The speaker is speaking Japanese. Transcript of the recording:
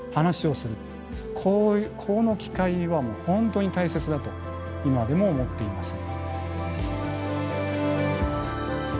この機会は本当に大切だと今でも思っています。